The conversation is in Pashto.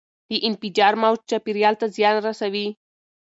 د انفجار موج چاپیریال ته زیان رسوي.